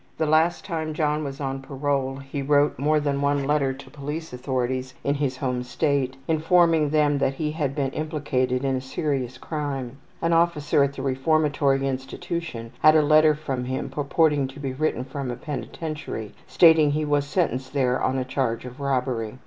The last time John was on parole he wrote more than one letter to police authorities in his home State, informing them he had been implicated in a serious crime. An officer at the reformatory institution had a letter from him purporting to be written from a penitentiary, stating he was sentenced there on a charge of robbery.